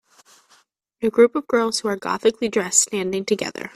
A group of girls who are gothically dressed standing together